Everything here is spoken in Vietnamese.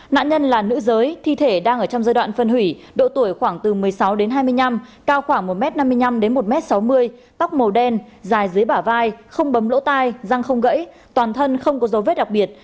nạn nhân là nữ giới thi thể đang ở trong giai đoạn phân hủy độ tuổi khoảng từ một mươi sáu đến hai mươi năm cao khoảng một m năm mươi năm đến một m sáu mươi tóc màu đen dài dưới bả vai không bấm lỗ tai răng không gãy toàn thân không có dấu vết đặc biệt